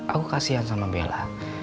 aku kasian sama bella